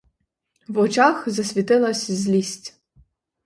В очах засвітилась злість.